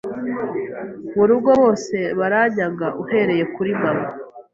mu rugo bose baranyanga uhereye kuri mama